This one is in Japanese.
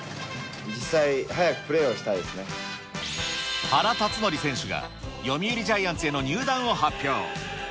実際、原辰徳選手が読売ジャイアンツへの入団を発表。